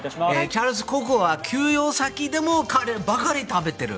チャールズ国王は休養先でもカレーばかり食べている。